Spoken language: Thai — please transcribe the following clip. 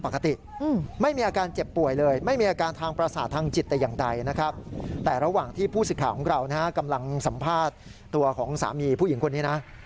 สัมภาษณ์ตัวของสามีผู้หญิงคนนี้นะ